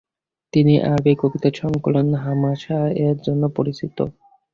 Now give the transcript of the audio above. তিনি আরবি কবিতা সংকলন হামাসাহ এর জন্য পরিচিত।